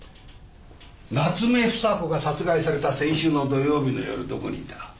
夏目房子が殺害された先週の土曜日の夜どこにいた？